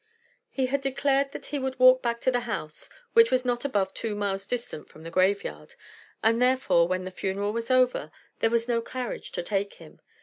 He had declared that he would walk back to the house which was not above two miles distant from the graveyard, and therefore, when the funeral was over, there was no carriage to take him.